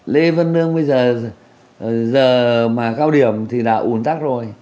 lê vân lương bây giờ giờ mà cao điểm thì đã ổn tắc rồi